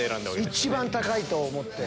一番高いと思って。